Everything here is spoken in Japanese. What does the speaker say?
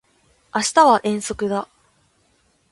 明日は遠足だ